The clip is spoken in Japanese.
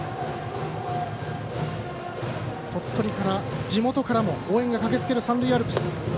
鳥取から、地元からも応援が駆けつける三塁アルプス。